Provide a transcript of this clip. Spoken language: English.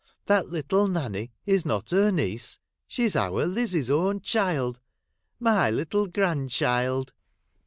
That little Nanny is not her niece, she 's our Lizzie's own child, my little grand child.'